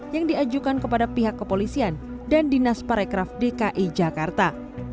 yang diajukan kepada pihak kepolisian dan dinas parekraf dki jakarta